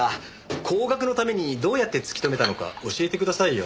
後学のためにどうやって突き止めたのか教えてくださいよ。